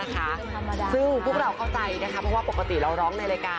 คุณผู้ชมไม่ว่ากันค่ะ